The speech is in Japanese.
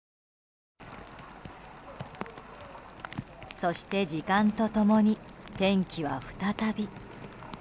そして、時間と共に天気は再び。